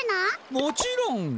もちろん！